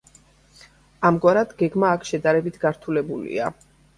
ამგვარად, გეგმა აქ შედარებით გართულებულია.